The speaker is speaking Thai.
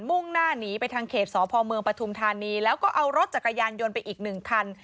มุ่งหน้าหนีไปทางเขตสพเมืองปฐุมธานีแล้วก็เอารถจักรยานยนต์ไปอีกหนึ่งคัน